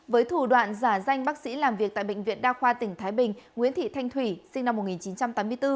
với thủ đoạn giả danh bác sĩ làm việc tại bệnh viện đa khoa tỉnh thái bình nguyễn thị thanh thủy sinh năm một nghìn chín trăm tám mươi bốn